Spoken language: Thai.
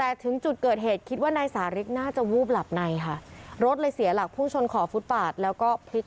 แอลกอฮอล์คอเค้าก็ไม่ได้ดื่ม